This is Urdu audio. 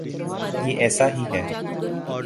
یہ ایسا ہی ہے۔